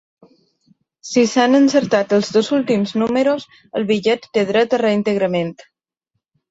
Si s’han encertat els dos últims números, el bitllet té dret a reintegrament.